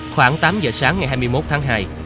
khoảng tám giờ sáng ngày hai mươi một tháng hai